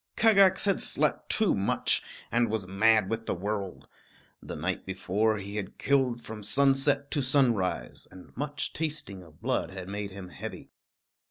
Kagax had slept too much, and was mad with the world. The night before, he had killed from sunset to sunrise, and much tasting of blood had made him heavy.